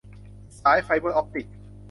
สายไฟเบอร์ออปติก